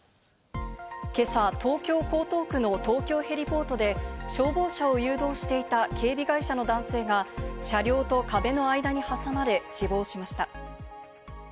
今朝、東京・江東区の東京へリポートで消防車を誘導していた警備会社の男性が車両と壁の間に挟まれ、死亡しました。